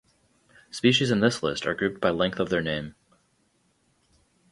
Species in this list are grouped by length of their name.